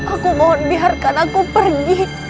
aku mohon biarkan aku pergi